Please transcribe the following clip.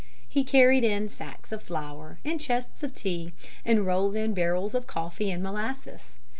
He carried in sacks of flour and chests of tea, and rolled in barrels of coffee and molasses.